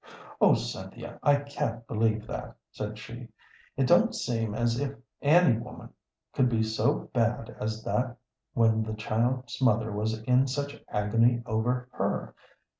"Oh, Cynthia, I can't believe that," said she. "It don't seem as if any woman could be so bad as that when the child's mother was in such agony over her."